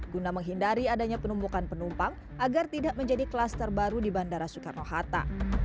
guna menghindari adanya penumpukan penumpang agar tidak menjadi kluster baru di bandara soekarno hatta